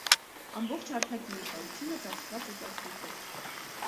Ամբողջ հարթակի երկարությունը ծածկված է ծածկույթով։